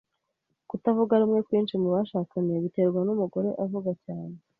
Kutavuga rumwe kwinshi mubushakanye biterwa numugore avuga cyane